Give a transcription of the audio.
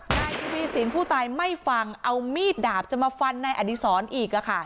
นายทวีสินผู้ตายไม่ฟังเอามีดดาบจะมาฟันในอดีศรอีก